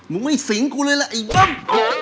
มรุงมันสิงห์กูเลยล่ะไอ้ยุ่ง